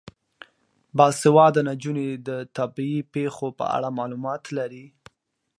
باسواده نجونې د طبیعي پیښو په اړه معلومات لري.